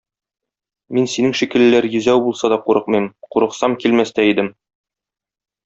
Мин синең шикеллеләр йөзәү булса да курыкмыйм, курыксам, килмәс тә идем.